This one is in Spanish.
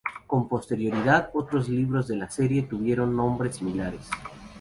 Con posterioridad otros libros de la serie tuvieron nombres similares.